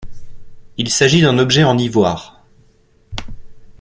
Il s'agit d'un objet en ivoire.